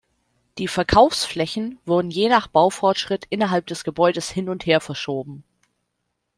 Die Verkaufsflächen wurden je nach Baufortschritt innerhalb des Gebäudes hin und her verschoben.